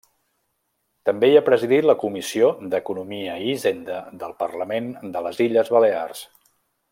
També ha presidit la comissió d'Economia i Hisenda del Parlament de les Illes Balears.